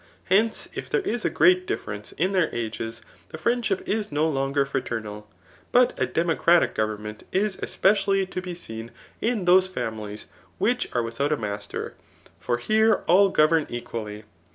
'Hence, if there is .a great difference in their ages, the inendship is no longer fraternal. But a democradc go vetnment b especially to be seen in those families which are wkhout a master : for here all govern equally.